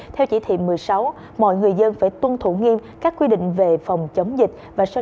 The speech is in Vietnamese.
theo chỉ thị một mươi sáu mọi người dân phải tuân thủ nghiêm các quy định về phòng chống dịch và sơ